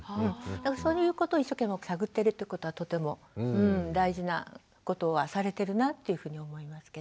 そういうことを一生懸命探ってるってことはとても大事なことはされてるなっていうふうに思いますけど。